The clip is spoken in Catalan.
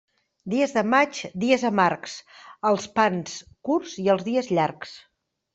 Dies de maig, dies amargs: els pans curts i els dies llargs.